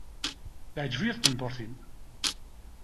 Teɛǧeb-iyi tqendurt-im.